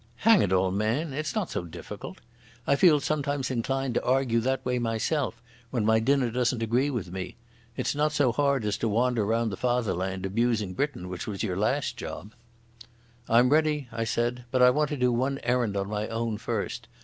"Hang it all, man, it's not so difficult. I feel sometimes inclined to argue that way myself, when my dinner doesn't agree with me. It's not so hard as to wander round the Fatherland abusing Britain, which was your last job." "I'm ready," I said. "But I want to do one errand on my own first.